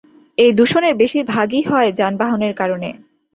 এই দূষণের বেশির ভাগই হয় যানবাহনের কারণে।